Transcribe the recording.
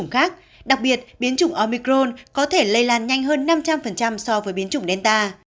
nghi ngờ nhiễm biến chủng omicron đặc biệt người về từ các quốc gia khu vực nam phi